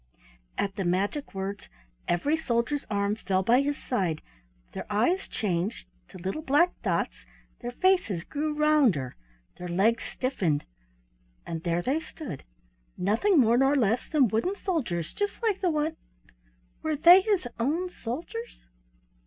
At the magic words every soldier's arm fell by his side, their eyes changed to little black dots, their faces grew rounder, their legs stiffened, and there they stood, nothing more nor less than wooden soldiers just like the one —were they his own soldiers?